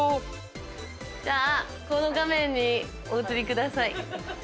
じゃあこの画面にお写りください。